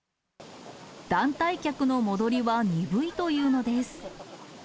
団体客の戻りは鈍いというのです。